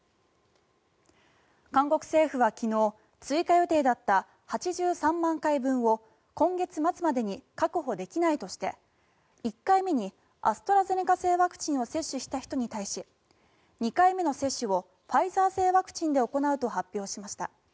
韓国政府は昨日追加予定だった８３万回分を今月末までに確保できないとして１回目にアストラゼネカ製ワクチンを接種した人に対し２回目の接種をファイザー製ワクチンで行うと発表しました。